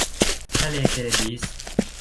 ทะเลเซเลบีส